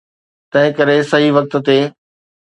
تنهنڪري صحيح وقت تي.